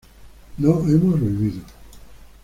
no hemos vivido